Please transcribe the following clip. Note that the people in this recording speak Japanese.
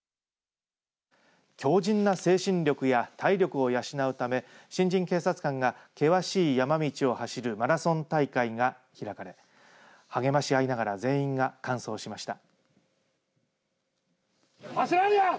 強じんな精神力や体力を養うため新人警察官が険しい山道を走るマラソン大会が開かれ励まし合いながら全員が完走しました。